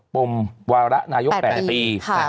ปมวาระนายก๘ปี